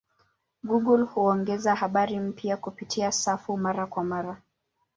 Google huongeza habari mpya kupitia safu mara kwa mara.